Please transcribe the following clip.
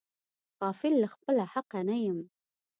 غافل له خپله حقه نه یم.